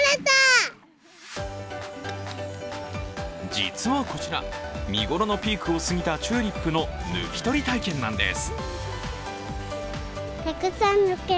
実はこちら、見頃のピークを過ぎたチューリップの抜き取り体験なんです。